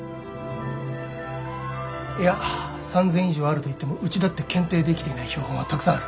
いや３，０００以上あると言ってもうちだって検定できていない標本はたくさんある。